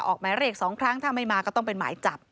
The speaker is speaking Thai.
ออกหมายเรียก๒ครั้งถ้าไม่มาก็ต้องเป็นหมายจับ